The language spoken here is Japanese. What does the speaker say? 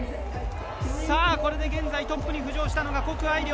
これで現在トップに浮上したのが谷愛